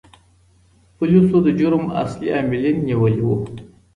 پولیسو د جرم اصلي عاملین نیولي وو.